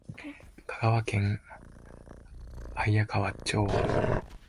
香川県綾川町